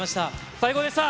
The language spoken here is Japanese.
最高でした。